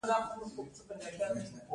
رسۍ د مزدور سره نږدې ده.